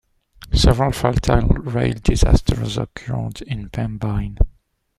Several fatal rail disasters occurred in Pembine.